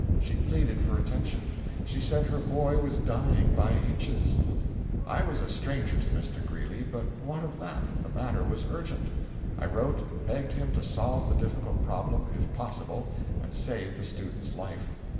She pleaded for attention—she said her boy was dying by inches. "I was a stranger to Mr. Greeley, but what of that? The matter was urgent. I wrote and begged him to solve the difficult problem if possible and save the student's life.